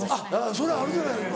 それあるじゃないですか。